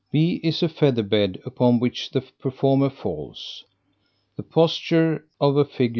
B is a feather bed upon which the performer falls. The posture of Fig.